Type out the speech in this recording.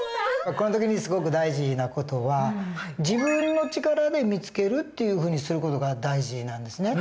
この時にすごく大事な事は自分の力で見つけるというふうにする事が大事なんですね。